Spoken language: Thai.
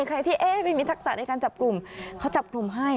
ใครที่ไม่มีทักษะในการจับกลุ่มเขาจับกลุ่มให้